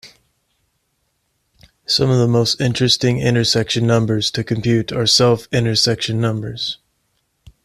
Some of the most interesting intersection numbers to compute are "self-intersection numbers".